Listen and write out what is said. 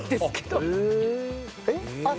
えっ？